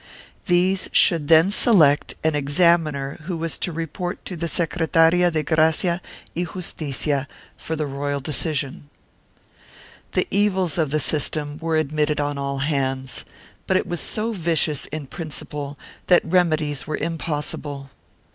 These should then select an examiner who was to report to the Secretaria de Gracia y Justicia for the royal decision.4 The evils of the system were admitted on all hands, but it was so vicious in principle that remedies were impossible.